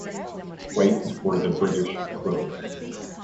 Waits were the British equivalent.